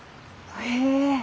へえ。